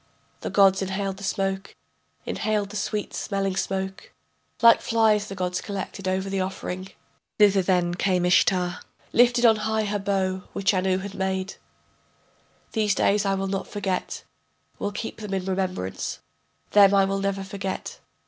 The gods inhaled the smoke, inhaled the sweet smelling smoke, Like flies the gods collected over the offering. Thither then came Ishtar, Lifted on high her bow, which Anu had made: These days I will not forget, will keep them in remembrance, Them I will never forget.